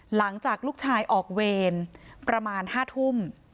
หลังจากลูกชายออกเวรประมาณ๕ทุ่ม